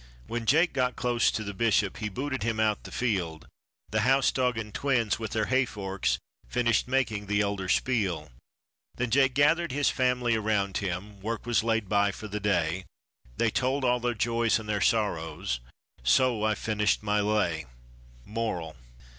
When Jake got close to the bishop he booted him out the field, The house dog and twins, with their hayforks, finished making the elder spiel. Then Jake gathered his family around him, work was laid by for the day, They told all their joys and their sorrows, so I've finished my lay. _Moral.